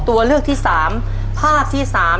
ตัวเลือกที่สามภาพที่สาม